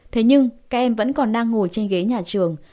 thế nhưng các em vẫn còn đang ngồi trên ghế nhà trường